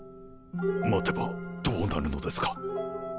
待てばどうなるのですか？